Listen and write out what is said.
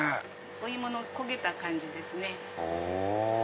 お芋の焦げた感じですね。